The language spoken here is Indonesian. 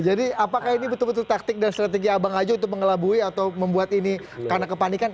jadi apakah ini betul betul taktik dan strategi abang saja untuk mengelabui atau membuat ini karena kepanikan